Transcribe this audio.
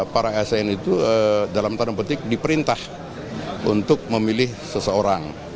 para asn itu dalam tanda petik diperintah untuk memilih seseorang